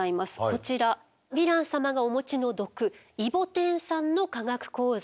こちらヴィラン様がお持ちの毒イボテン酸の化学構造。